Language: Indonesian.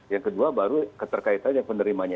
yang kedua baru keterkaitan yang penerimanya